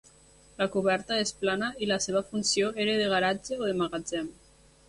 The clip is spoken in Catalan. La coberta és plana i la seva funció era de garatge o de magatzem.